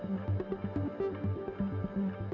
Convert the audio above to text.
kandungan juga tidak terdapat sekurang kurangnya kecuali art warrior